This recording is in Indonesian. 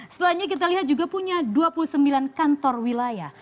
setelahnya kita lihat juga punya dua puluh sembilan kantor wilayah